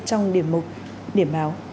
trong điểm mục điểm báo